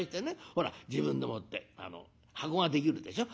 ほら自分でもって箱ができるでしょ。